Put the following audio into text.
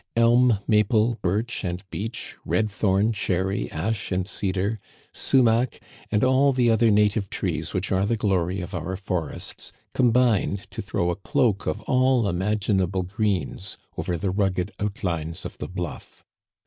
Elm, maple, birch, and beech, red thorn, cherry, ash, and cedar, sumach, and all the other native trees which are the glory of our forests, combined to throw a cloak of all imaginable greens over the rugged outlines of the bluff.